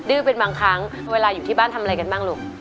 ื้อเป็นบางครั้งเวลาอยู่ที่บ้านทำอะไรกันบ้างลูก